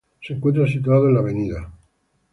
Se encuentra situado en la "Av.